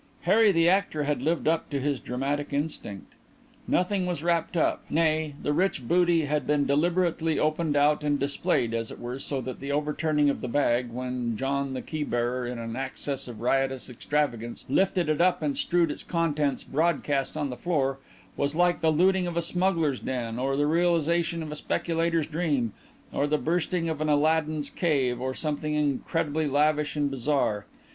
Harry the Actor had lived up to his dramatic instinct. Nothing was wrapped up; nay, the rich booty had been deliberately opened out and displayed, as it were, so that the overturning of the bag, when John the keybearer in an access of riotous extravagance lifted it up and strewed its contents broadcast on the floor, was like the looting of a smuggler's den, or the realization of a speculator's dream, or the bursting of an Aladdin's cave, or something incredibly lavish and bizarre.